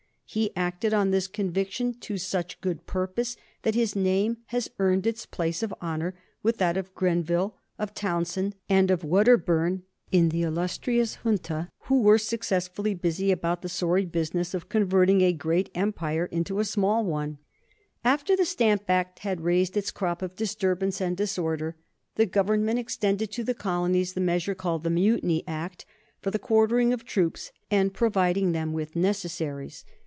He acted on this conviction to such good purpose that his name has earned its place of honor with that of Grenville, of Townshend, and of Wedderburn, in the illustrious junta who were successfully busy about the sorry business of converting a great empire into a small one. [Sidenote: 1766 The Mutiny Act] After the Stamp Act had raised its crop of disturbance and disorder, the Government extended to the colonies the measure called the Mutiny Act, for the quartering of troops and providing them with necessaries.